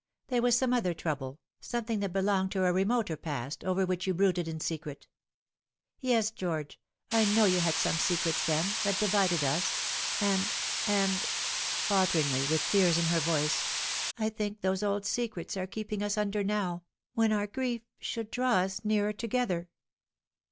There was some other trouble, something that belonged to a remoter past, over which you brooded in secret. Yes, George, I know you had pome secrets then t^jat divided us and and " falteringly, with tears in her voice "I think those old secrets are keeping us asunder now, when our griaf should draw us nearer together."